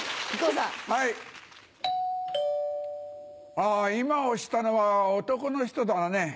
あ今押したのは男の人だね。